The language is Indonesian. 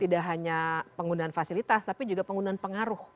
tidak hanya penggunaan fasilitas tapi juga penggunaan pengaruh